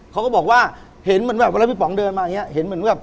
เขาก็บอกว่าเห็นเหมือนแบบพี่ป๋องเดินมาเห็นเหมือนแบบ